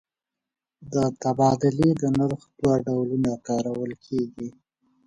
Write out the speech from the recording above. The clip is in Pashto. د تبادلې د نرخ دوه ډولونه کارول کېږي.